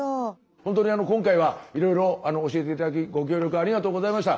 ほんとに今回はいろいろ教えて頂きご協力ありがとうございました。